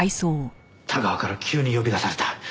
田川から急に呼び出された。